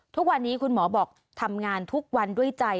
ทุกวันนี้คุณหมอบอกทำงานทุกวันด้วยใจ